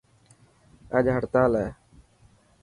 اڄ هڙتال هي.